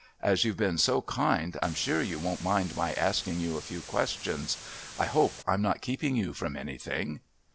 As you've been so kind I'm sure you won't mind my asking you a few questions. I hope I'm not keeping you from anything."